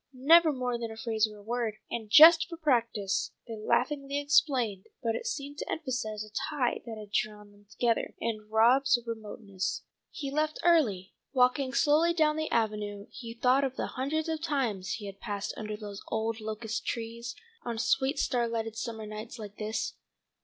Never more than a phrase or a word, and "just for practice," they laughingly explained, but it seemed to emphasize a tie that had drawn them together, and Rob's remoteness. He left early. Walking slowly down the avenue he thought of the hundreds of times he had passed under those old locust trees on sweet starlighted summer nights like this.